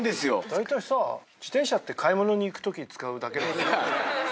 だいたいさ自転車って買い物に行くとき使うだけだもんね。